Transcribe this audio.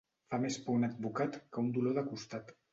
Fa més por un advocat que un dolor de costat.